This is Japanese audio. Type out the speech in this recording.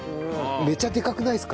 めっちゃでかくないですか？